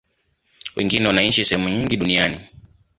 Wengine wanaishi sehemu nyingi duniani.